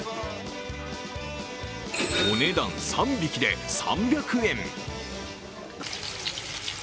お値段３匹で３００円。